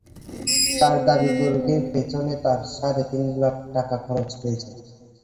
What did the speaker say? তাঁর দাবি, গরুটির পেছনে তাঁর সাড়ে তিন লাখ টাকা খরচ হয়েছে।